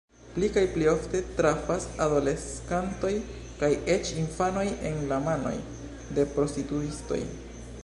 Pli kaj pli ofte trafas adoleskantoj kaj eĉ infanoj en la manojn de prostituistoj.